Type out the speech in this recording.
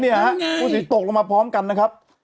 นี่ฮะตึกตบลงมาพร้อมกันนะครับ